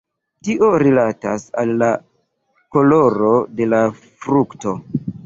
Tio rilatas al la koloro de la frukto.